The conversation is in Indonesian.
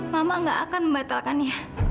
mama gak akan membatalkannya